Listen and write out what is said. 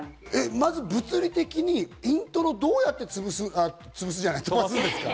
まず物理的にイントロをどうやって飛ばすんですか？